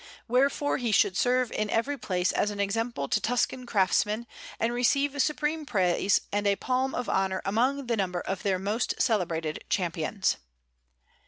Wherefore he should serve in every place as an example to Tuscan craftsmen, and receive supreme praise and a palm of honour among the number of their most celebrated champions.